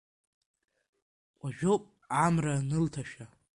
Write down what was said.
Уажәоуп амра анылҭашәа.